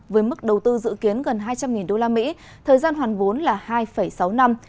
với mức đầu tư dự kiến gần hai trăm linh usd thời gian hoàn vốn là hai sáu năm